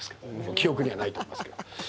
記憶にはないと思いますけど。